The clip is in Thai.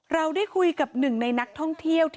เราได้คุยกับหนึ่งในนักท่องเที่ยว